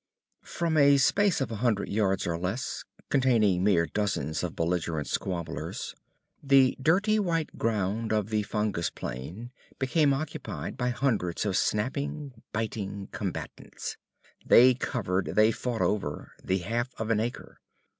From a space of a hundred yards or less, containing mere dozens of belligerent squabblers, the dirty white ground of the fungus plain became occupied by hundreds of snapping, biting combatants. They covered they fought over the half of an acre.